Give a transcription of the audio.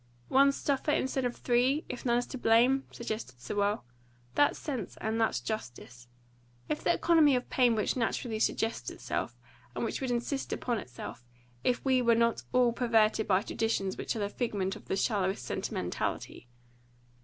"One suffer instead of three, if none is to blame?" suggested Sewell. "That's sense, and that's justice. It's the economy of pain which naturally suggests itself, and which would insist upon itself, if we were not all perverted by traditions which are the figment of the shallowest sentimentality.